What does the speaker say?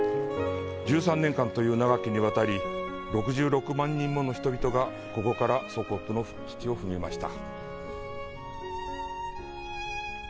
１３年間という長きにわたり、６６万人もの人々がここから祖国の土を踏みました。